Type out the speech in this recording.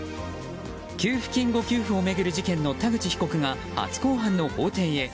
給付金誤給付を巡る田口被告が初公判の法廷へ。